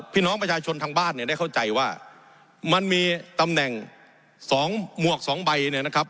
พี่น้องประชาชนทางบ้านเนี่ยได้เข้าใจว่ามันมีตำแหน่งสองหมวกสองใบเนี่ยนะครับ